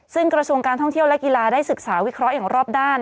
ซึ่งกระทรวงการท่องเที่ยวและกีฬาได้ศึกษาวิเคราะห์อย่างรอบด้าน